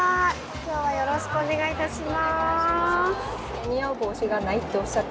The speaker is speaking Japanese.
今日はよろしくお願いいたします。